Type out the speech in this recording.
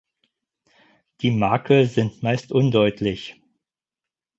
Die Makel sind meist undeutlich.